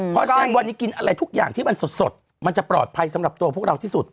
เพราะฉะนั้นวันนี้กินอะไรทุกอย่างที่มันสดมันจะปลอดภัยสำหรับตัวพวกเราที่สุด